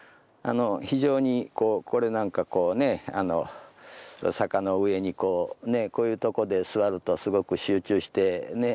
非常にこうこれなんかこうね坂の上にこうねこういうとこで坐るとすごく集中してね